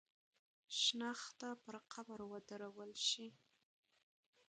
شنخته پر قبر ودرول شي.